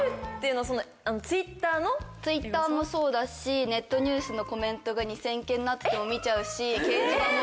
Ｔｗｉｔｔｅｒもそうだしネットニュースのコメントが２０００件になってても見ちゃうし掲示板も。